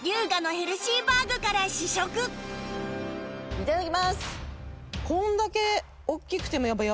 いただきます！